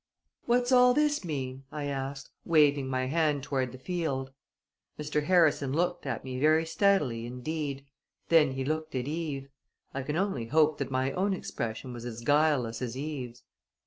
"What's all this mean?" I asked, waving my hand toward the field. Mr. Harrison looked at me very steadily indeed. Then he looked at Eve. I can only hope that my own expression was as guileless as Eve's.